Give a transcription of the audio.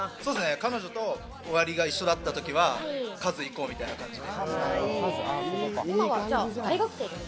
彼女と終わりが一緒だったときは「和」行こうみたいな感じで。